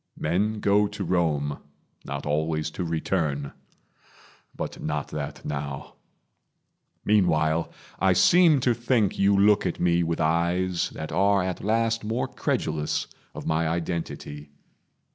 Men go to Rome, Not always to return but not that now. Meanwhile, I seem to think you look at me With eyes that are at last more credulous Of my identity.